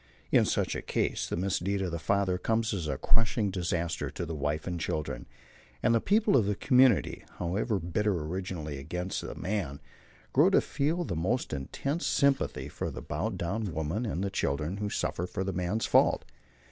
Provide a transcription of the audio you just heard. In such a case the misdeed of the father comes as a crushing disaster to the wife and children, and the people of the community, however bitter originally against the man, grow to feel the most intense sympathy for the bowed down women and children who suffer for the man's fault.